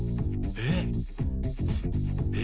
えっ？